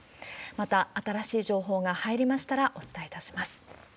また、新しい情報が入りましたらお伝えいたします。